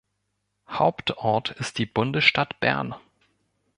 Hauptort ist die Bundesstadt Bern.